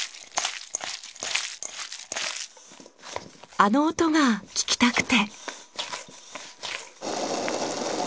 あの音が聞きたくて。